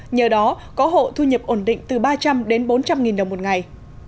nhờ đó có hộ thu nhập ổn định từ ba trăm linh đến bốn trăm linh nghìn đồng một ngày